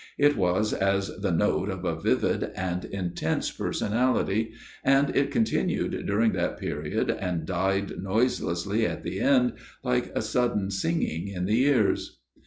It was as the note of a vivid and intense personality ; and it continued during that period and died noiselessly at the end like a sudden singing in the ears.